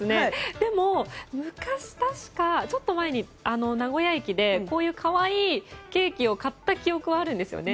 でも昔、確かちょっと前に名古屋駅でこういう可愛いケーキを買った記憶はあるんですよね。